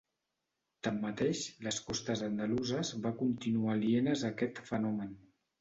Tanmateix, les costes andaluses va continuar alienes a aquest fenomen.